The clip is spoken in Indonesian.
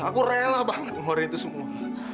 aku rela banget ngeluarin itu semua